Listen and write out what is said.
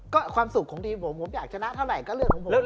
ก็ความสุขของทีมผมผมอยากชนะเท่าไหร่ก็เรื่องของผม